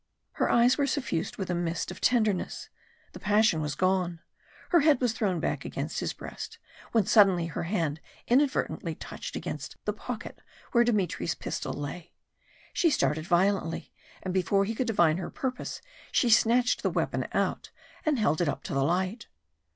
Her eyes were suffused with a mist of tenderness, the passion was gone; her head was thrown back against his breast, when suddenly her hand inadvertently touched against the pocket where Dmitry's pistol lay. She started violently, and before he could divine her purpose she snatched the weapon out, and held it up to the light.